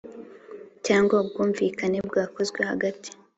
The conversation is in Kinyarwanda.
Cyangwa ubwumvikane byakozwe hagati